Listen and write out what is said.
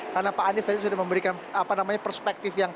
karena pak anies tadi sudah memberikan perspektif